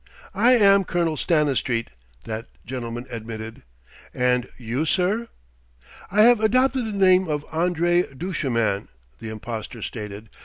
"I am Colonel Stanistreet," that gentleman admitted. "And you, sir ?" "I have adopted the name of André Duchemin," the impostor stated.